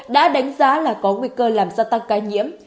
đã đánh giá là có nguy cơ làm gia tăng ca nhiễm